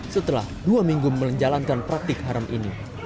setelah dua minggu menjalankan praktik haram ini